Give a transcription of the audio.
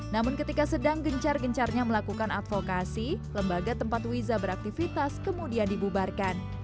namun ketika sedang gencar gencarnya melakukan advokasi lembaga tempat wiza beraktivitas kemudian dibubarkan